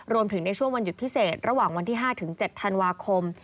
ในช่วงวันหยุดพิเศษระหว่างวันที่๕ถึง๗ธันวาคม